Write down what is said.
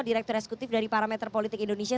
direktur eksekutif dari parameter politik indonesia